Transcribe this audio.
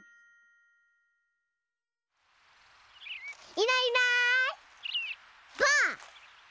いないいないばあっ！